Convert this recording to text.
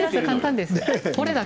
簡単です。